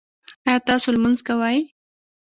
ایا تاسو لمونځ کوئ؟